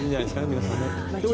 皆さんね。